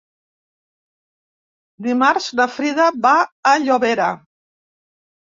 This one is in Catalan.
Dimarts na Frida va a Llobera.